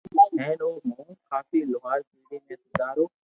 ھين او مون ڪافي لوھار پيڙي ۾ سودھارو